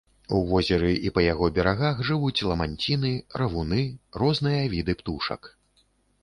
У возеры і па яго берагах жывуць ламанціны, равуны, розныя віды птушак.